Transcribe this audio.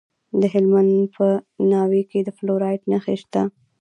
د هلمند په ناوې کې د فلورایټ نښې شته.